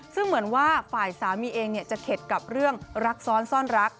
ซึ่งเหมือนว่าฝ่ายสามีเองจะเข็ดกับเรื่องรักซ้อนซ่อนรัก